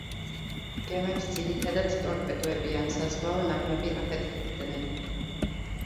გემებს ძირითადად ტორპედოები ან საზღვაო ნაღმები აფეთქებდნენ.